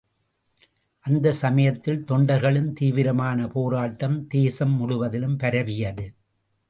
அந்தச் சமயத்தில் தொண்டர்களின் தீவிரமான போராட்டம் தேசம் முழுவதிலும் பரவியது.